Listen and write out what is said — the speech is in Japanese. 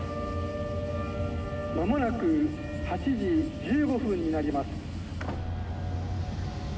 「間もなく８時１５分になります」。